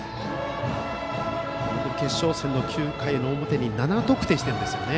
決勝戦の９回の表に７得点してますよね。